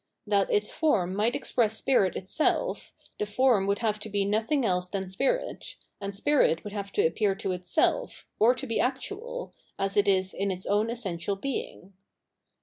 That its form might express spirit itself, the form would have to be nothing else than spirit, and spirit would have to appear to itself, or to be actual, as it is in its own essential being.